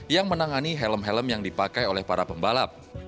yang menangani helm helm yang dipakai oleh para pembalap